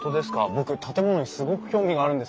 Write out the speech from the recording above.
僕建物にすごく興味があるんですよね。